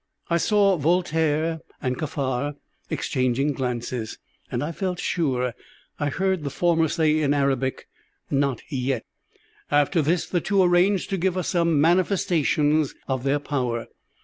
I saw Voltaire and Kaffar exchanging glances, and I felt sure that I heard the former say in Arabic, "Not yet." After this the two arranged to give us some manifestations of their power.